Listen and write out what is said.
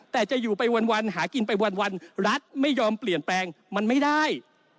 แต่จะอยู่ไปวันหากินไปวันรัฐไม่ยอมเปลี่ยนแปลงมันไม่ได้